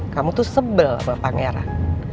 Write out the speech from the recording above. kamu tuh sebel sama pangeran